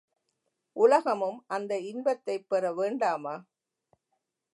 உலகமும் அந்த இன்பத்தைப் பெற வேண்டாமா?